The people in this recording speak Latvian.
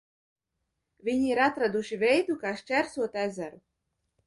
Viņi ir atraduši veidu kā šķērsot ezeru!